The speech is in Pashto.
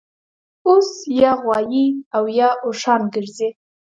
اوس یا غوایي اویا اوښان ګرځي